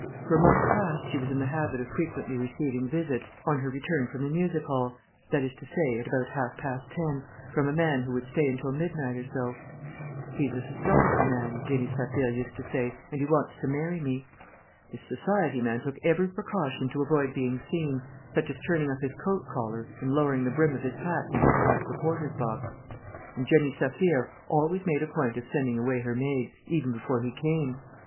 For a month past she was in the habit of frequently receiving visits, on her return from the music hall, that is to say, at about half past ten, from a man who would stay until midnight or so. 'He's a society man,' Jenny Saphir used to say, 'and he wants to marry me.' This society man took every precaution to avoid being seen, such as turning up his coat collar and lowering the brim of his hat when he passed the porter's box. And Jenny Saphir always made a point of sending away her maid, even before he came.